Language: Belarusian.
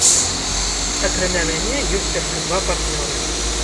Акрамя мяне, ёсць яшчэ два партнёры.